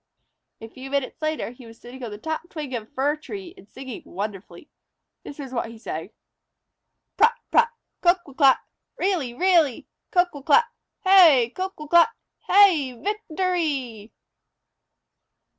A few minutes later he was sitting on the top twig of a fir tree and singing wonderfully. This was what he sang: "Prut! Prut! Coquillicot! Really! Really! Coquillicot! Hey, Coquillicot! Hey! Victory!"